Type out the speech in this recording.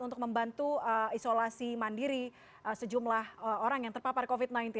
untuk membantu isolasi mandiri sejumlah orang yang terpapar covid sembilan belas